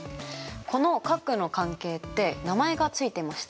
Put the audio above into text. この角の関係って名前が付いていましたよね？